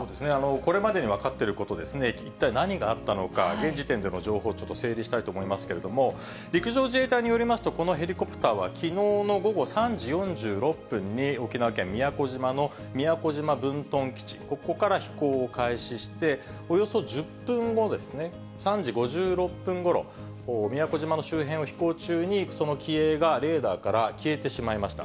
これまでに分かってることですね、一体何があったのか、現時点での情報をちょっと整理したいと思いますけれども、陸上自衛隊によりますと、このヘリコプターはきのうの午後３時４６分に沖縄県宮古島の宮古島分屯基地、ここから飛行を開始して、およそ１０分後ですね、３時５６分ごろ、宮古島の周辺を飛行中に、その機影がレーダーから消えてしまいました。